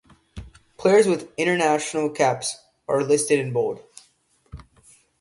Players with International caps are listed in bold.